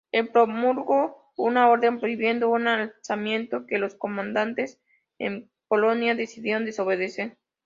El promulgó una orden prohibiendo un alzamiento, que los comandantes en Polonia decidieron desobedecer.